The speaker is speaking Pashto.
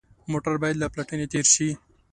موټر باید له پلټنې تېر شي.